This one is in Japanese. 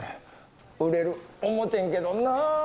売れる思てんけどな。